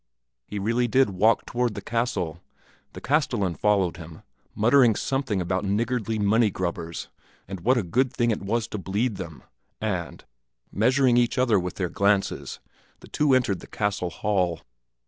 He really did walk toward the castle; the castellan followed him, muttering something about niggardly money grubbers, and what a good thing it was to bleed them; and, measuring each other with their glances, the two entered the castle hall.